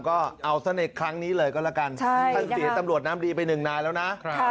ก็เอาซะในครั้งนี้เลยก็แล้วกันท่านเสียตำรวจน้ำดีไปหนึ่งนายแล้วนะ